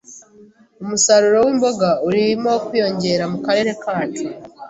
Umusaruro wimboga urimo kwiyongera mukarere kacu.